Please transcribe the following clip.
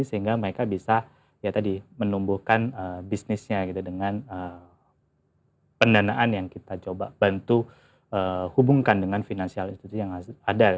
sehingga mereka bisa ya tadi menumbuhkan bisnisnya gitu dengan pendanaan yang kita coba bantu hubungkan dengan financial institusi yang ada